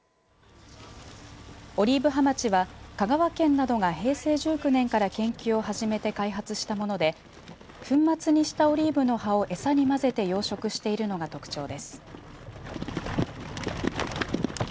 オリーブハマチは香川県などが平成１９年から研究を始めて開発したもので粉末にしたオリーブの葉を餌に混ぜて養殖しているのが特徴です。